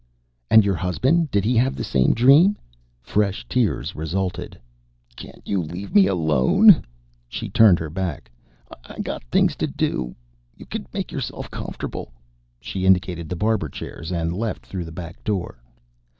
"And your husband? Did he have the same dream?" Fresh tears resulted. "Can't you leave me alone?" She turned her back. "I got things to do. You can make yourself comfortable " She indicated the barber chairs, and left through the back door.